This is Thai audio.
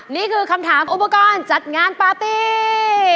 นี่คือคำถามอุปกรณ์จัดงานปาร์ตี้